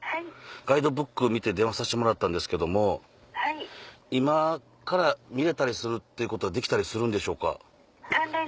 ガイドブック見て電話さしてもらったんですけど今から見るっていうことはできたりするんでしょうか？